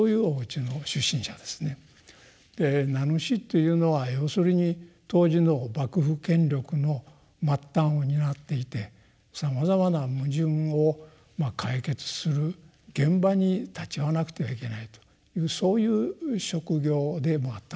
名主っていうのは要するに当時の幕府権力の末端を担っていてさまざまな矛盾を解決する現場に立ち会わなくてはいけないというそういう職業でもあったわけですね。